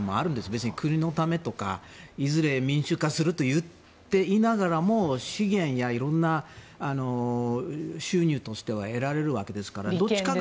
別に国のためとかいずれ民主化すると言っていながらも資源や色んな収入としては得られるわけですから。